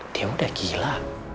dia udah gila